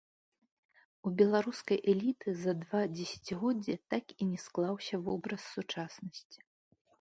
У беларускай эліты за два дзесяцігоддзі так і не склаўся вобраз сучаснасці.